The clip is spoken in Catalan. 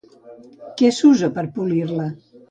Què s'usa per polir-la?